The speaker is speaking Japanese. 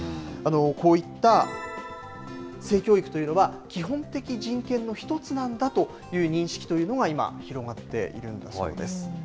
こういった性教育というのは、基本的人権の一つなんだという認識と今、広がっているんだそうです。